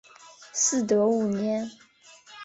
嗣德五年。